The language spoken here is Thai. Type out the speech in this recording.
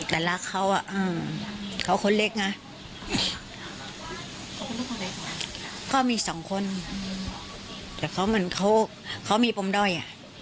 แต่รักเขาอ่ะเขาคนเล็กไงก็มีสองคนแต่เขาเหมือนเขาเขามีปมด้อยอ่ะ